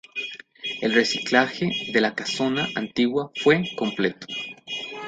El reciclaje de la casona antigua fue completo.